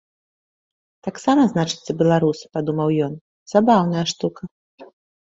«Таксама, значыцца, беларус, — падумаў ён, — забаўная штука».